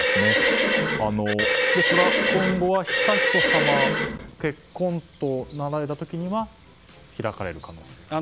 ですから、今後は悠仁さまが結婚となられた時には開かれるかもしれないと。